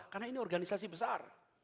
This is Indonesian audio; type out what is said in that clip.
karena ini organisasi besar